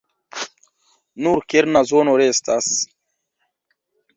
Nur kerna zono restas.